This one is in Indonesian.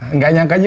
enggak nyangka juga